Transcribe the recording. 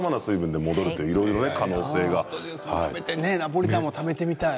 ナポリタンを食べてみたい。